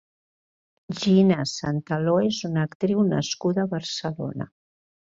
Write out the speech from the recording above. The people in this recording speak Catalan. Gina Santaló és una actriu nascuda a Barcelona.